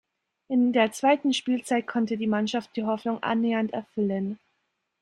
In der zweiten Spielzeit konnte die Mannschaft die Hoffnungen annähernd erfüllen.